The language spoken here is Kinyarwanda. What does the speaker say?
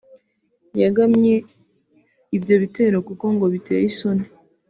yamganye ibyo bitero kuko ngo biteye isoni